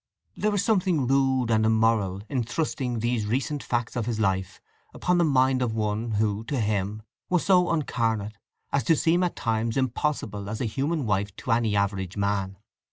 There was something rude and immoral in thrusting these recent facts of his life upon the mind of one who, to him, was so uncarnate as to seem at times impossible as a human wife to any average man.